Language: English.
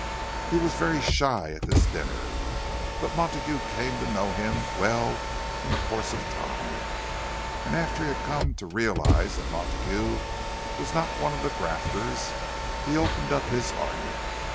He was very shy at this dinner; but Montague came to know him well in the course of time. And after he had come to realize that Montague was not one of the grafters, he opened up his heart.